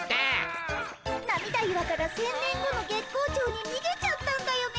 涙岩から１，０００年後の月光町ににげちゃったんだよね